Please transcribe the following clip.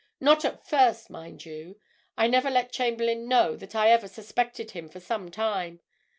"Not at first, mind you—I never let Chamberlayne know that I ever suspected him for some time.